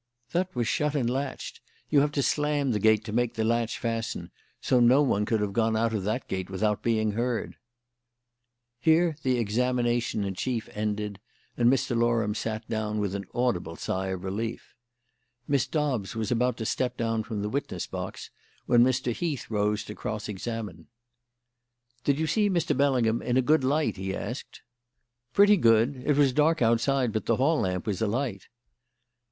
"That was shut and latched. You have to slam the gate to make the latch fasten, so no one could have gone out of that gate without being heard." Here the examination in chief ended, and Mr. Loram sat down with an audible sigh of relief. Miss Dobbs was about to step down from the witness box when Mr. Heath rose to cross examine. "Did you see Mr. Bellingham in a good light?" he asked. "Pretty good. It was dark outside, but the hall lamp was alight."